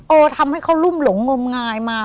ทำให้เขารุ่มหลงงมงายมา